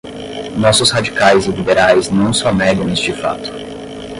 Nossos radicais e liberais não só negam este fato